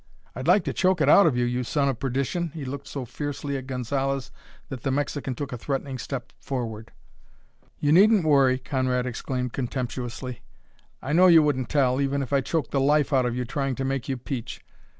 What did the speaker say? I'd like to choke it out of you, you son of perdition!" He looked so fiercely at Gonzalez that the Mexican took a threatening step forward. "You needn't worry," Conrad exclaimed contemptuously. "I know you wouldn't tell, even if I choked the life out of you trying to make you peach.